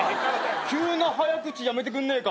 急な早口やめてくんねえか？